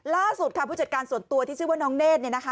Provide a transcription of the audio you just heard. ล่าสุดค่ะผู้จัดการส่วนตัวที่ชื่อว่าน้องเนธ